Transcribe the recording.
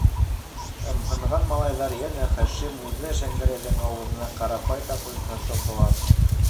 - Ымһынған малайҙар йәнә Хашим үҙе Шәңгәрәйҙең ауыҙына ҡарап байтаҡ өнһөҙ торҙолар.